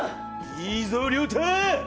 いいぞ、涼太。